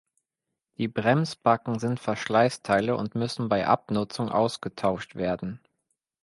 Die Bremsbacken sind Verschleißteile und müssen bei Abnutzung ausgetauscht werden.